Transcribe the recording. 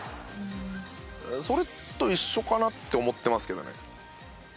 それと一緒かなって思ってますけどね。